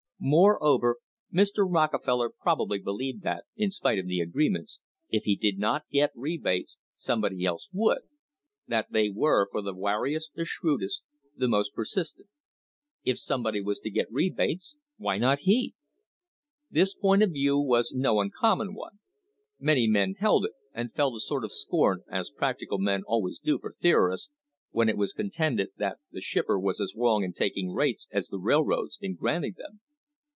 Moreover, Mr. Rockefeller probably believed that, in spite of the agreements, if he did not get rebates somebody else would; that they were for the wari est, the shrewdest, the most persistent. If somebody was to get rebates, why not he? This point of view was no uncommon THE HISTORY OF THE STANDARD OIL COMPANY one. Many men held it and felt a sort of scorn, as practical men always do for theorists, when it was contended that the shipper was as wrong in taking rates as the railroads in granting them.